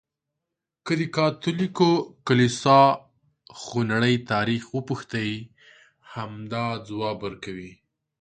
که د کاتولیکو د کلیسا خونړی تاریخ وپوښتې، همدا ځواب ورکوي.